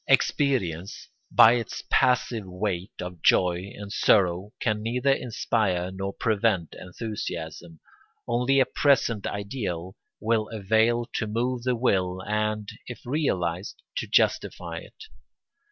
Experience, by its passive weight of joy and sorrow, can neither inspire nor prevent enthusiasm; only a present ideal will avail to move the will and, if realised, to justify it.